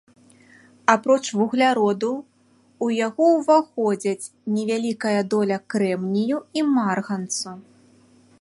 Апроч вугляроду ў яго ўваходзяць невялікая доля крэмнію і марганцу.